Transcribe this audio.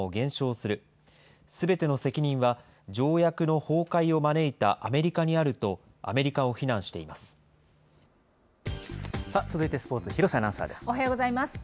すべての責任は条約の崩壊を招いたアメリカにあるとアメリカを非続いてスポーツ、廣瀬アナウおはようございます。